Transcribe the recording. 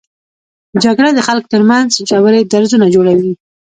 جګړه د خلکو تر منځ ژورې درزونه جوړوي